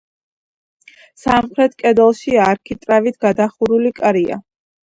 სამხრეთ კედელში არქიტრავით გადახურული კარია.